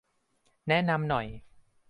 แนะนำหน่อย